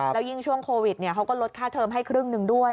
แล้วยิ่งช่วงโควิดเขาก็ลดค่าเทอมให้ครึ่งหนึ่งด้วย